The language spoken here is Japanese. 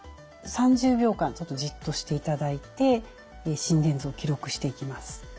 ３０秒間ちょっとじっとしていただいて心電図を記録していきます。